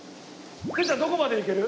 てっちゃんどこまで行ける？